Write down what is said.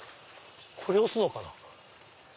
これ押すのかな。